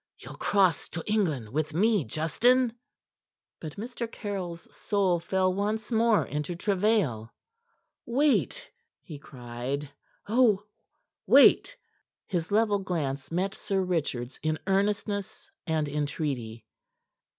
"You'll cross to England with me, Justin?" But Mr. Caryll's soul fell once more into travail. "Wait!" he cried. "Ah, wait!" His level glance met Sir Richard's in earnestness and entreaty.